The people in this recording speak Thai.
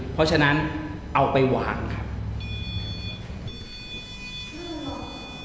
เพราะฉะนั้นเอาไปวางครับ